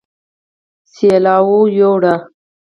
سېلاو يوړ